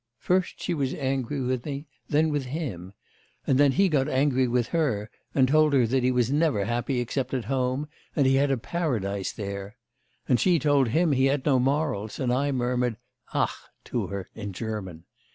First she was angry with me, then with him; and then he got angry with her, and told her that he was never happy except at home, and he had a paradise there; and she told him he had no morals; and I murmured "Ach!" to her in German.